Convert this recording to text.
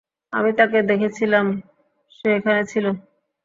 আমি তাকে দেখেছিলাম, সে এখানে ছিলো।